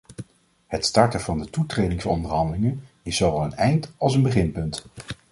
Het starten van de toetredingsonderhandelingen is zowel een eind- als een beginpunt.